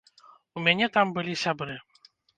У мяне там былі сябры.